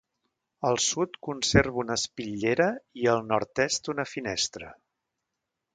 Al sud conserva una espitllera i al nord-est una finestra.